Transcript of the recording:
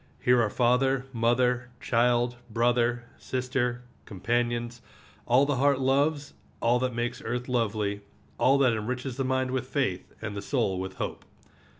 Here are father, mother, child, brother, sister, companions, all the heart loves, all that makes earth lovely, all that enriches the mind with faith and the soul with hope.